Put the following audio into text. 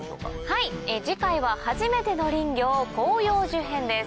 はい次回ははじめての林業広葉樹編です。